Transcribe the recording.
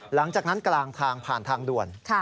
หลังจากนั้นกลางทางผ่านทางด่วน